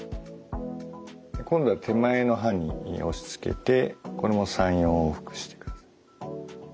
今度は手前の歯に押しつけてこれも３４往復してください。